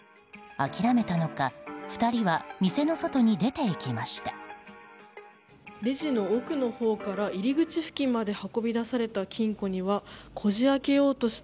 諦めたのか２人は店の外に出て行きました。